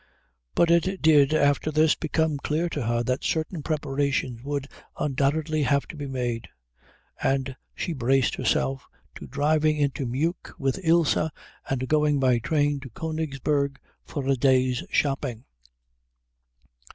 But it did after this become clear to her that certain preparations would undoubtedly have to be made, and she braced herself to driving into Meuk with Ilse and going by train to Königsberg for a day's shopping.